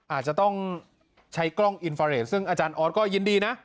อาจจะต้องใช้กล้องอินฟาเรทซึ่งอาจารย์ออสก็ยินดีนะ